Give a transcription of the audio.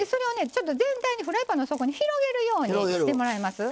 ちょっと全体にフライパンの底に広げるようにしてもらえます？